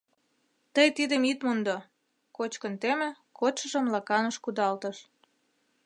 Тый тидым ит мондо!» — кочкын теме, кодшыжым лаканыш кудалтыш.